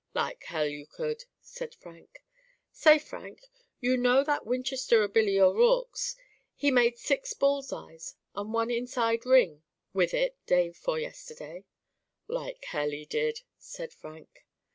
'Like hell you could,' said Frank. 'Say Frank, you know that Winchester o' Billy O'Rourke's? he made six bull's eyes and one inside ring with it day 'fore yesterday.' 'Like hell he did,' said Frank.